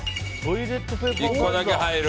１個だけ入る。